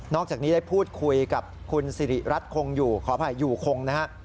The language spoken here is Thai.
อกจากนี้ได้พูดคุยกับคุณสิริรัตนคงอยู่ขออภัยอยู่คงนะฮะ